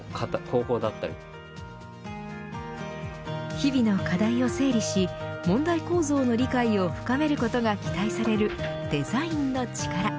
日々の課題を整理し問題構造の理解を深めることが期待されるデザインの力。